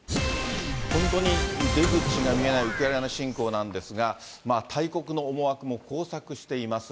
本当に出口が見えないウクライナ侵攻なんですが、大国の思惑も交錯しています。